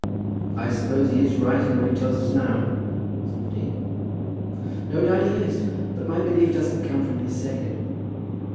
"I suppose he is right in what he tells us now?" said the dean. "No doubt he is; but my belief doesn't come from his saying it."